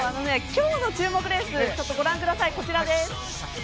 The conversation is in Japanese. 今日の注目レースご覧ください。